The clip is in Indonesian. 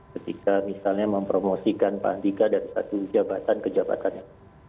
ketika misalnya mempromosikan pak andika dari satu jabatan ke jabatannya